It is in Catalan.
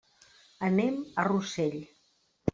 Anem a Rossell.